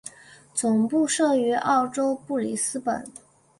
总部设于澳洲布里斯本。